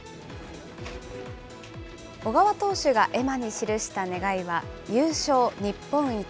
小川投手が絵馬に記した願いは、優勝日本一。